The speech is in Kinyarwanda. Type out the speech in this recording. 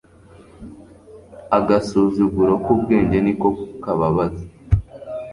Agasuzuguro k'ubwenge ni ko kababaza